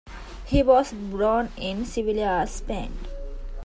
He was born in Seville, Spain.